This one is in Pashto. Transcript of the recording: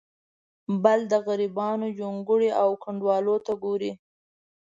بل د غریبانو جونګړو او کنډوالو ته ګوري.